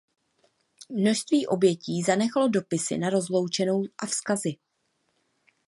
Množství obětí zanechalo dopisy na rozloučenou a vzkazy.